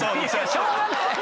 しょうがない。